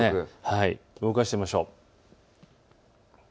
動かしてみましょう。